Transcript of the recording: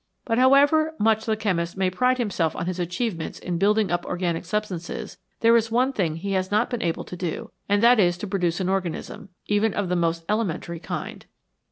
But however much the chemist may pride himself on his achievements in building up organic substances, there is one thing he has not been able to do, and that is to produce an organism, even of the most elementary kind.